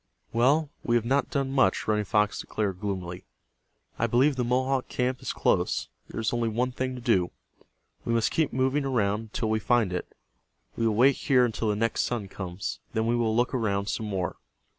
"Well, we have not done much," Running Fox declared, gloomily. "I believe the Mohawk camp is close. There is only one thing to do. We must keep moving around until we find it. We will wait here until the next sun comes. Then we will look around some more."